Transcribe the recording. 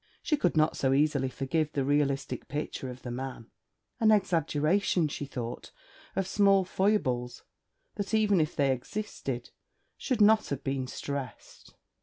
She could not so easily forgive the realistic picture of the man: an exaggeration, she thought, of small foibles, that even if they existed, should not have been stressed.